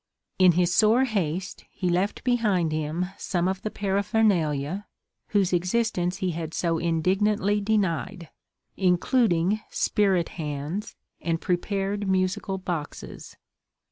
In his sore haste he left behind him some of the "paraphernalia," whose existence he had so indignantly denied, including "spirit hands" and prepared musical boxes.